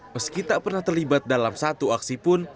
meski tak pernah terlibat dalam satu aksi pun